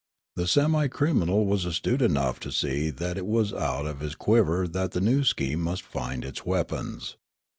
The semi criminal was astute enough to see that it was out of his quiver that the new scheme must find its weapons.